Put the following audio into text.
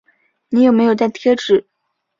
你有没有带贴纸